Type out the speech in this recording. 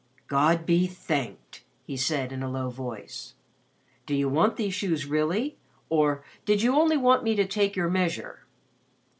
"God be thanked!" he said, in a low voice. "Do you want these shoes really, or did you only want me to take your measure?"